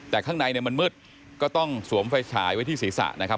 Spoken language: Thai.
แต่ข้างในเนี่ยมันมืดก็ต้องสวมไฟฉายไว้ที่ศีรษะนะครับ